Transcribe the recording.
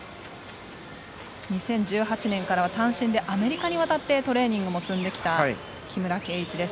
２０１８年からは単身でアメリカに渡ってトレーニングも積んできた木村敬一です。